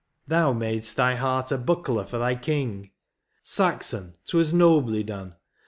Thou mad'st thy heart a buckler for thy king ; Saxon, 't was nobly done